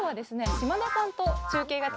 島田さん！